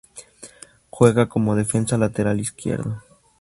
Juega como defensa lateral izquierdo.